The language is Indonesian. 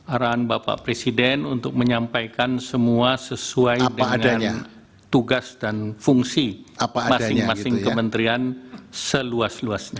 arahan bapak presiden untuk menyampaikan semua sesuai dengan tugas dan fungsi masing masing kementerian seluas luasnya